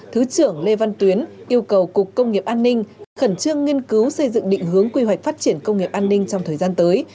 thứ trưởng lê văn tuyến yêu cầu cục công nghiệp an ninh khẩn trương nghiên cứu xây dựng định hướng quy hoạch phát triển công nghiệp an ninh trong thời gian tới